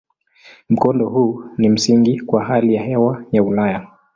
Mkondo huu ni msingi kwa hali ya hewa ya Ulaya.